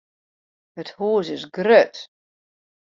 It hûs is grut.